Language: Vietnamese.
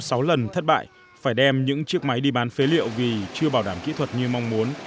sau sáu lần thất bại phải đem những chiếc máy đi bán phế liệu vì chưa bảo đảm kỹ thuật như mong muốn